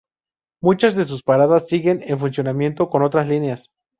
Muchas de sus paradas siguen en funcionamiento con otras líneas.